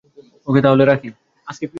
ওকে তাহলে রাখি।